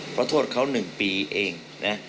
เพราะโทษเขา๑ปีเองนะ